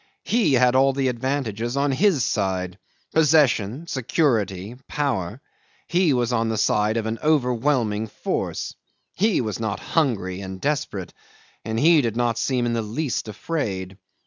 He had all the advantages on his side possession, security, power; he was on the side of an overwhelming force! He was not hungry and desperate, and he did not seem in the least afraid.